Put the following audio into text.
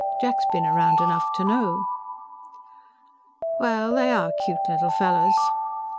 "Jack's been around enough to know." "Well.... They are cute little fellows."